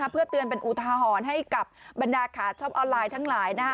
เพื่อเตือนเป็นอุทาหรณ์ให้กับบรรดาขาช็อปออนไลน์ทั้งหลาย